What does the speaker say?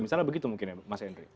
misalnya begitu mungkin ya mas henry